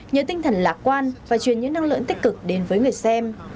nhớ tinh thần lạc quan và truyền những năng lượng tích cực đến với người xem